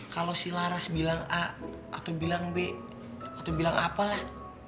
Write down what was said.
kalau si laras bilang a atau bilang b aku bilang apalah